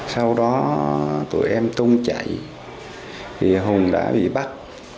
sau đó tụi em tung chạy vì hùng đã bị bắt